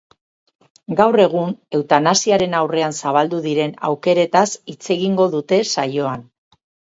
Gaur egun, eutanasiaren aurrean zabaldu diren aukeretaz hitz egingo dute saioan.